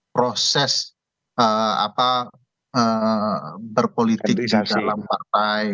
proses berpolitik di dalam partai